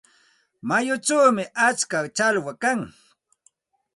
Mayuchawmi atska challwa kan.